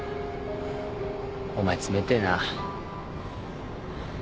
お前冷てえな